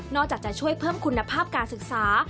จะช่วยเพิ่มคุณภาพการศึกษา